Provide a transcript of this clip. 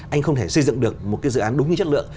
anh không thể xây dựng được một cái dự án đúng như chất lượng